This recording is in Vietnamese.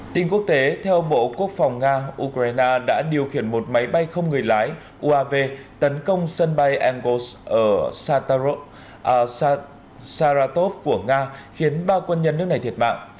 tin quốc tế theo bộ quốc phòng nga ukraine đã điều khiển một máy bay không người lái uav tấn công sân bay engos ở sataro saratov của nga khiến ba quân nhân nước này thiệt mạng